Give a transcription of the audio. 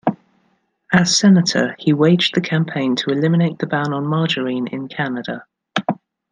As Senator, he waged the campaign to eliminate the ban on margarine in Canada.